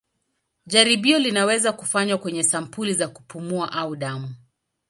Jaribio linaweza kufanywa kwenye sampuli za kupumua au damu.